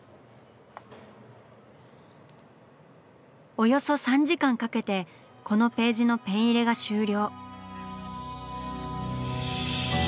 およそ３時間かけてこのページのペン入れが終了。